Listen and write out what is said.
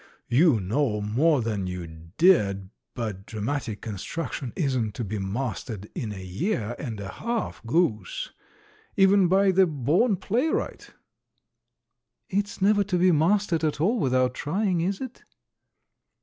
"You know more than you did, but dramatic construction isn't to be mastered in a year and a half, goose, even by the born playwright." "It's never to be mastered at all without trying, is it?"